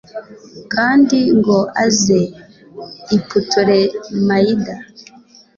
kandi ngo aze i putolemayida